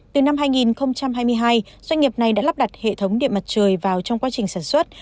từ năm hai nghìn hai mươi hai doanh nghiệp này đã lắp đặt hệ thống điện mặt trời vào trong quá trình sản xuất